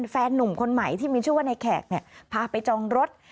หนุ่มคนใหม่ที่มีชื่อว่าในแขกพาไปจองรถ